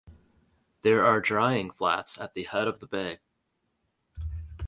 There are drying flats at the head of the bay.